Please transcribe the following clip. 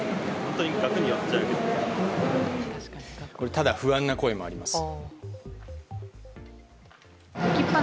ただ不安な声もあります。